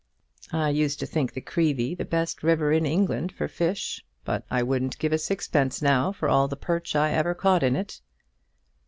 I used to think the Creevy the best river in England for fish; but I wouldn't give a sixpence now for all the perch I ever caught in it."